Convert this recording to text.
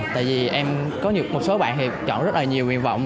tại vì em có một số bạn thì chọn rất là nhiều nguyện vọng